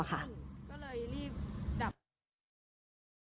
เรียบฝึกด้วย